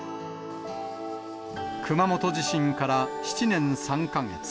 熊本地震から７年３か月。